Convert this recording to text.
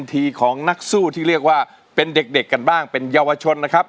ทีของนักสู้ที่เรียกว่าเป็นเด็กกันบ้างเป็นเยาวชนนะครับ